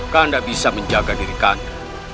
kakanda bisa menjaga diri kakanda